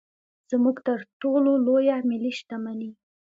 زموږ تر ټولو لویه ملي شتمني.